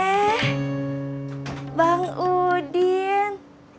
eh bang udin